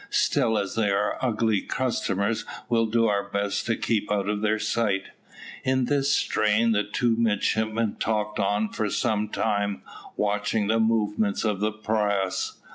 Still as they are ugly customers, we'll do our best to keep out of their sight." In this strain the two midshipmen talked on for some time, watching the movements of the prahus.